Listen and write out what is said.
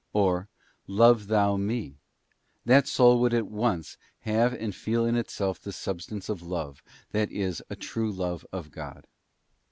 Or, Love thou Me; that soul would at once have and feel in itself the substance of love, that is, a true love of God.